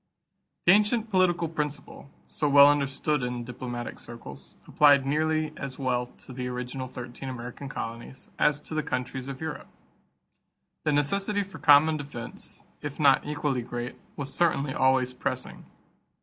This ancient political principle, so well understood in diplomatic circles, applied nearly as well to the original thirteen American colonies as to the countries of Europe. The necessity for common defense, if not equally great, was certainly always pressing.